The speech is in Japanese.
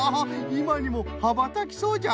いまにもはばたきそうじゃ！